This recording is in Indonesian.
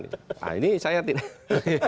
nah ini saya tidak